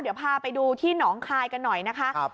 เดี๋ยวพาไปดูที่หนองคายกันหน่อยนะคะ